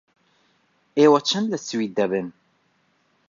ئێوە چەند لە سوید دەبن؟